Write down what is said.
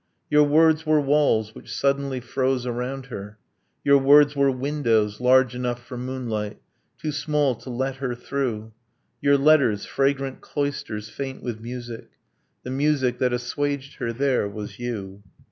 Your words were walls which suddenly froze around her. Your words were windows, large enough for moonlight, Too small to let her through. Your letters fragrant cloisters faint with music. The music that assuaged her there was you.